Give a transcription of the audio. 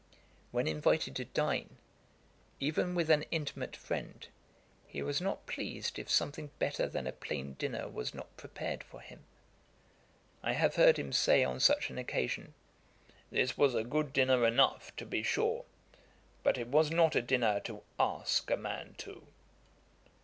When invited to dine, even with an intimate friend, he was not pleased if something better than a plain dinner was not prepared for him. I have heard him say on such an occasion, 'This was a good dinner enough, to be sure; but it was not a dinner to ask a man to.'